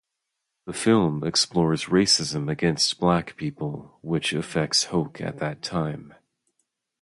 The film explores racism against black people, which affects Hoke at that time.